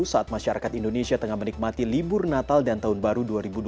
saat masyarakat indonesia tengah menikmati libur natal dan tahun baru dua ribu dua puluh